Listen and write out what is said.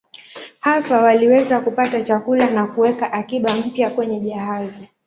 Hapa waliweza kupata chakula na kuweka akiba mpya kwenye jahazi.